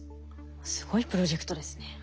すごいプロジェクトですね。